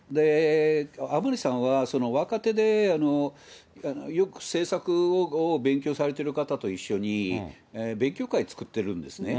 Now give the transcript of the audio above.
甘利さんは、若手でよく政策を勉強されている方と一緒に、勉強会作ってるんですね。